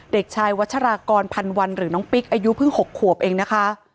เด็กชายวัชรากรพันวันหรือน้องปิ๊กอายุเพิ่ง๖ขวบเองนะคะ